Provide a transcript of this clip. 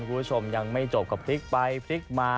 คุณผู้ชมยังไม่จบก็พลิกไปพลิกมา